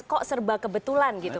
kok serba kebetulan gitu